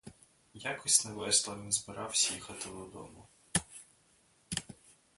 Якось невесело він збиравсь їхать додому.